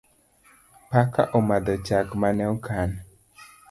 Paka omadho chak mane okan